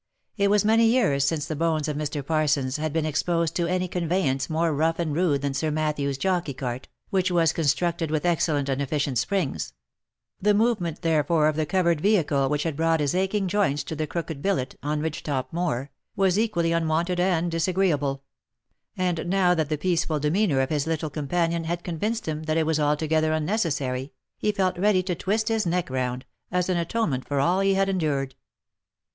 It was many years since the bones of Mr. Parsons had been exposed to any conveyance more rough and rude than Sir Matthew's jockey cart, which was constructed with excellent and efficient springs; the move ment, therefore, of the covered vehicle which had brought his aching joints to the " Crooked Billet" on Ridgetop Moor, was equally un wonted and disagreeable ; and now that the peaceable demeanour of his little companion had convinced him that it was altogether unneces sary, he felt ready to twist his neck round, as an atonement for all he had endured.